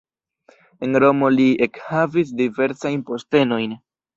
En Romo li ekhavis diversajn postenojn.